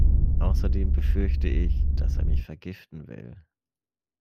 Außerdem befürchte ich, dass er mich vergiften will.